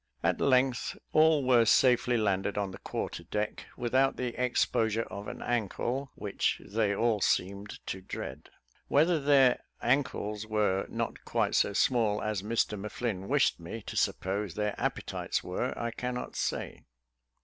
At length, all were safely landed on the quarter deck, without the exposure of an ancle, which they all seemed to dread. Whether their ancles were not quite so small as Mr M'Flinn wished me to suppose their appetites were, I cannot say.